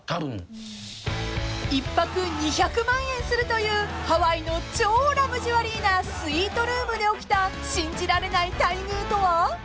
［１泊２００万円するというハワイの超ラグジュアリーなスイートルームで起きた信じられない待遇とは？］